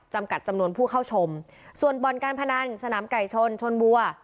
กัดจำนวนผู้เข้าชมส่วนบ่อนการพนันสนามไก่ชนชนบัว